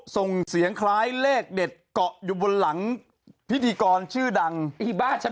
ส่งเสียงคล้ายเลขเด็ดเกาะอยู่บนหลังพิธีกรชื่อดัง